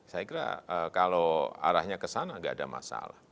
saya kira kalau arahnya ke sana nggak ada masalah